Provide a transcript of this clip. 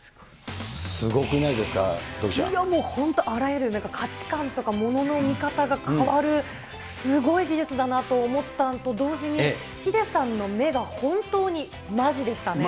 すごくないですか、本当、価値観とかものの見方が変わる、すごい技術だなと思ったのと同時に、ヒデさんの目が本当にまじでしたね。